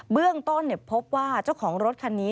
เบื้องต้นพบว่าเจ้าของรถคันนี้